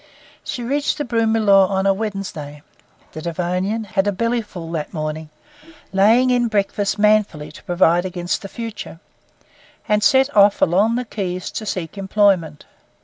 She reached the Broomielaw on a Wednesday: the Devonian had a bellyful that morning, laying in breakfast manfully to provide against the future, and set off along the quays to seek employment.